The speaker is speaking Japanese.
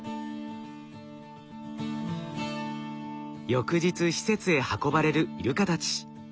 翌日施設へ運ばれるイルカたち。